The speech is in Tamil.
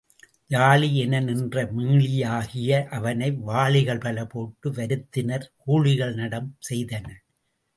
யாளி என நின்ற மீளியாகிய அவனை வாளிகள் பல போட்டு வருத்தினர் கூளிகள் நடம் செய்தன.